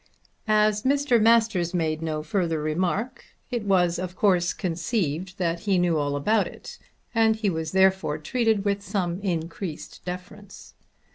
As Mr. Masters made no further remark it was of course conceived that he knew all about it and he was therefore treated with some increased deference.